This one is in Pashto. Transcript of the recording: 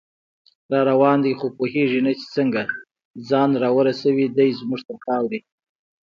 راروان دی خو پوهیږي نه چې څنګه، ځان راورسوي دی زمونږ تر خاورې